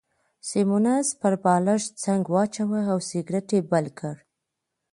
سیمونز پر بالښت څنګ واچاوه او سګرېټ يې بل کړ.